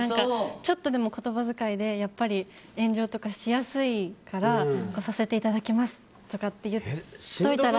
ちょっとでも言葉遣いで炎上とかしやすいから「させていただく」とかって言っておいたら。